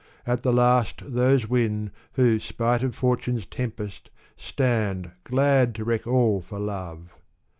At the last Those win, who spite of Fortune's tempests, stand. Glad to yntck all for Love.